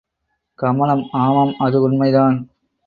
கமலம் ஆமாம் அது உண்மைதான்.